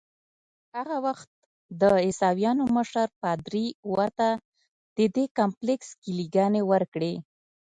هغه وخت د عیسویانو مشر پادري ورته ددې کمپلیکس کیلې ګانې ورکړې.